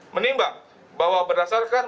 menimbang bahwa berdasarkan